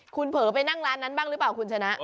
คุณเผลอไปนั่งร้านนั้นบ้างหรือเปล่าคุณชนะ